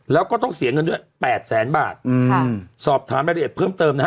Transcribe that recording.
แล้วก็ต้องเสียเงินด้วยแปดแสนบาทอืมค่ะสอบถามรายละเอียดเพิ่มเติมนะฮะ